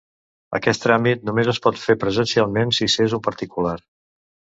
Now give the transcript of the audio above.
Aquest tràmit només es pot fer presencialment si s'és un particular.